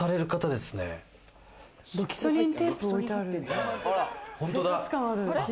ロキソニンテープ置いてある。